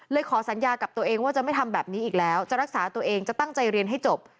ขอสัญญากับตัวเองว่าจะไม่ทำแบบนี้อีกแล้วจะรักษาตัวเองจะตั้งใจเรียนให้จบ